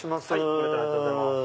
ご来店ありがとうございます。